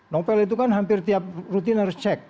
novel itu kan hampir tiap rutin harus cek